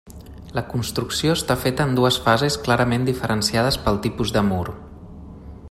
La construcció està feta en dues fases clarament diferenciades pel tipus de mur.